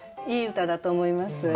いい歌だと思います。